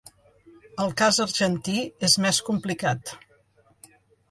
El cas argentí és més complicat.